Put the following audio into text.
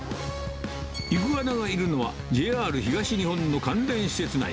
イグアナがいるのは、ＪＲ東日本の関連施設内。